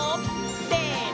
せの！